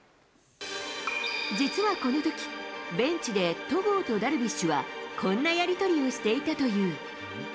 実はこのとき、ベンチで戸郷とダルビッシュはこんなやり取りをしていたという。